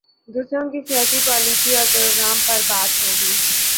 دوسروں کی سیاسی پالیسی اور پروگرام پر بات ہو گی۔